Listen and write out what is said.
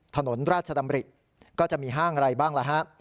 ถนนราชดำริก็จะมีห้างอะไรบ้างล่ะฮะ